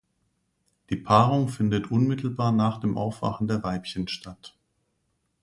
Die Paarung findet unmittelbar nach dem Aufwachen der Weibchen statt.